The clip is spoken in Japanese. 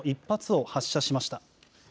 １発を発射しました。